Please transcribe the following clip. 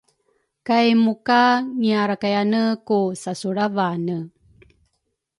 kay muka ngiarakayane ku sasulravane.